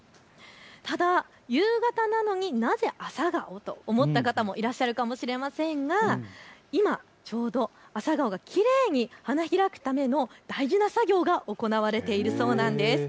ただ夕方なのになぜ朝顔？と思った方いらっしゃるかもしれませんが今ちょうど朝顔がきれいに花開くための大事な作業が行われているそうなんです。